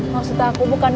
maksud aku bukan kabar